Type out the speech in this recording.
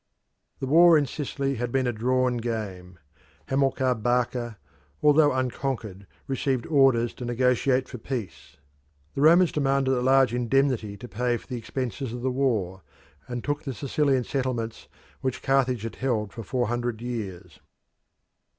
The war in Sicily had been a drawn game. Hamilcar Barca, although unconquered, received orders to negotiate for peace. The Romans demanded a large indemnity to pay for the expenses of the war, and took the Sicilian settlements which Carthage had held for four hundred years.